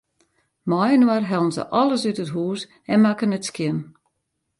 Mei-inoar hellen se alles út it hús en makken it skjin.